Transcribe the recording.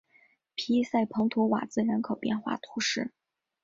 皮伊塞蓬图瓦兹人口变化图示